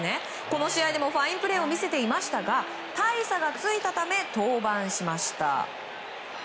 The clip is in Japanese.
この試合でもファインプレーを見せていましたが大差がついたため登板しました。